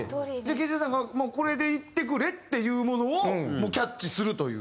Ｋｊさんがもうこれでいってくれっていうものをキャッチするという？